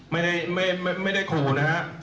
ไม่ได้ไม่ได้ไม่ได้ขูนะฮะ